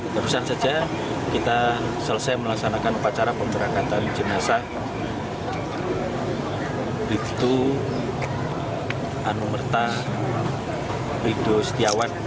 terus saja kita selesai melaksanakan upacara pemberangkatan jenazah bribtu anungerta rido setiawan